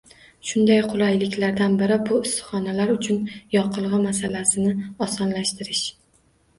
Shunday qulayliklardan biri bu – issiqxonalar uchun yoqilg‘i masalasini osonlashtirish.